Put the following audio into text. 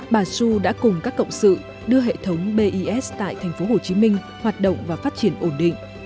bà xu đã cùng các cộng sự đưa hệ thống bis tại thành phố hồ chí minh hoạt động và phát triển ổn định